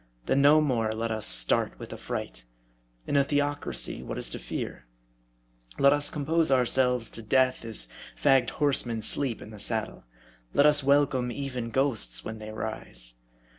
Then no more let us start with affright. In a theocracy, what is to fear ? Let us compose ourselves to death as fagged horsemen sleep in the saddle. Let us welcome even ghosts when they rise.